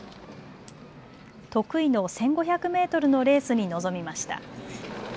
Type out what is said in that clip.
得意の１５００メートルのレースに臨みました。